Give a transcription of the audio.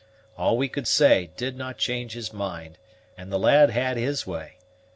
All we could say did not change his mind, and the lad had his way.